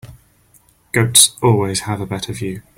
Goats always have a better view.